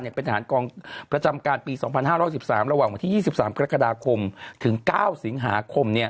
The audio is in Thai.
เป็นทหารกองประจำการปี๒๕๑๓ระหว่างวันที่๒๓กรกฎาคมถึง๙สิงหาคม